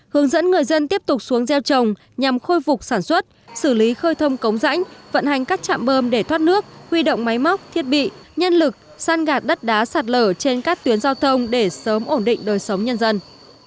hướng dẫn người dân tiếp tục xuống gieo trồng nhằm khôi phục sản xuất xử lý khơi thông cống rãnh vận hành các trạm bơm để thoát nước huy động máy móc thiết bị nhân lực săn gạt đất đá sạt lở trên các tuyến giao thông để sớm ổn định đời sống nhân dân